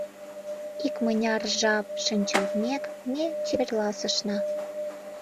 Икмыняр жап шинчылтмек, ме чеверласышна.